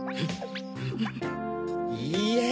いいえ！